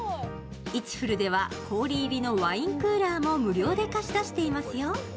イチフルでは氷入りのワインクーラーも無料で貸し出していますよ。